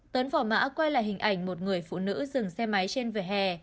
tuấn phỏ mã quay lại hình ảnh một người phụ nữ dừng xe máy trên vỉa hè